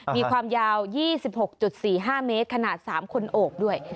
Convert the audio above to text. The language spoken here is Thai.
มีความยาว๒๖๔๕เมตรขนาด๓คนโอบด้วย